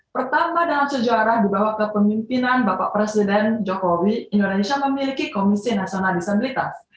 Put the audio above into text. pertama dalam sejarah dibawah kepemimpinan bapak presiden jokowi indonesia memiliki komisi nasional disabilitas